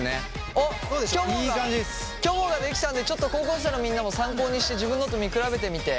あっきょもがきょもができたんでちょっと高校生のみんなも参考にしてちょっと自分のと見比べてみて。